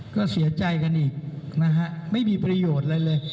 ก็เสียใจกันอีกนะฮะไม่มีประโยชน์อะไรเลย